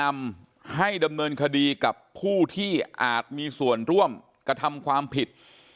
อาจมีส่วนร่วมกระทำความผิด